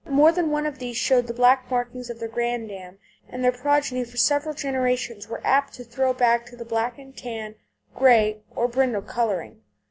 More than one of these showed the black markings of their granddam, and their progeny for several generations were apt to throw back to the black and tan, grey, or brindle colouring.